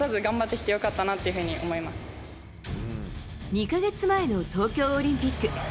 ２か月前の東京オリンピック。